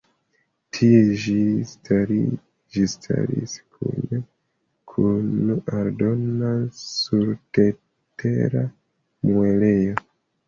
Tie ĝi staris kune kun aldona surtera muelejo.